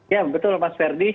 ya betul m ferdi